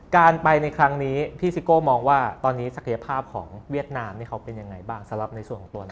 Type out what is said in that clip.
การไปในครั้งนี้พี่ซิโก้มองว่าตอนนี้ศักยภาพของเวียดนามนี่เขาเป็นยังไงบ้างสำหรับในส่วนของตัวเรา